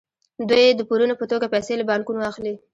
دوی د پورونو په توګه پیسې له بانکونو اخلي